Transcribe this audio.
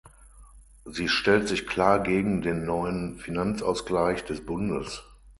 Sie stellt sich klar gegen den Neuen Finanzausgleich des Bundes.